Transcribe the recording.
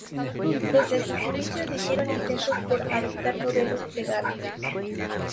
Desde sus inicios se hicieron intentos por adoptar modelos plegables.